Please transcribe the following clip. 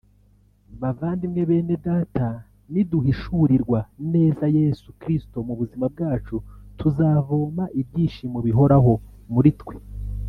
Bavandimwe Bene Data niduhishurirwa neza Yesu Kristo mu buzima bwacu tuzavoma ibyishimo bihoraho muri twe